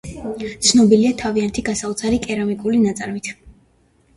ცნობილია თავიანთი გასაოცარი კერამიკული ნაწარმით.